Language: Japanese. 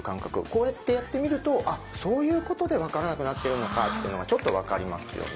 こうやってやってみると「あっそういうことで分からなくなってるのか」っていうのがちょっと分かりますよね。